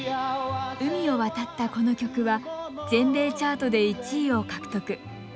海を渡ったこの曲は全米チャートで１位を獲得。